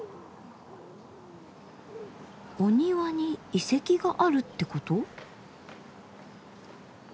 お庭に遺跡があるってこと？